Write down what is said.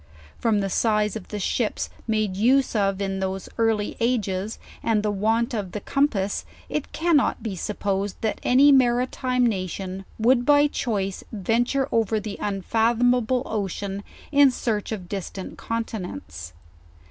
From the size of the ships made use of in those early ages, and the want of the compass, it cannot be supposed that any maritime nation would by choice venture over the unfathomable ocean, in search of dis tant continents.